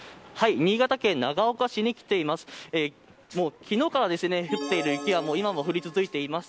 新潟県長岡市に来ています。